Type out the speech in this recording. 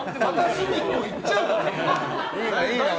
隅っこ行っちゃうから！